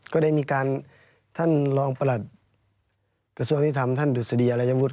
ก็ได้มีการท่านรองประหลัดกระชุมธรรมนิษฐ์ท่านดุษฎีอะไรยะวุฒิ